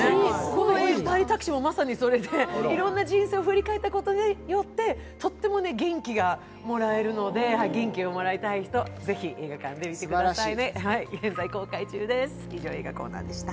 この「パリタクシー」もまさにそれでいろんな人生を振り返ったことによって、とっても元気をもらえるので、元気がもらいたい人、ぜひ映画館で見てくださいね。